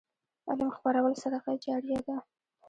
علم خپرول صدقه جاریه ده.